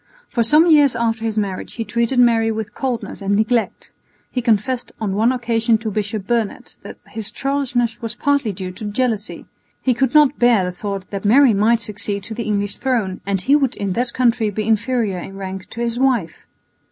For some years after his marriage he treated Mary with coldness and neglect. He confessed on one occasion to Bishop Burnet that his churlishness was partly due to jealousy; he could not bear the thought that Mary might succeed to the English throne and he would in that country be inferior in rank to his wife.